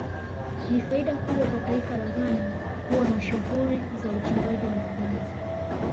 Ni faida kubwa kwa taifa la Ghana kuwa na shughuli za uchimbaji madini